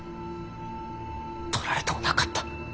取られとうなかった。